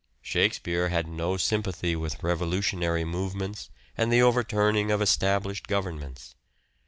" Shake speare " had no sympathy with revolutionary movements and the overturning of established govern ments.